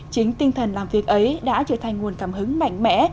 chính tinh thần làm việc ấy đã trở thành nguồn cảm hứng mạnh mẽ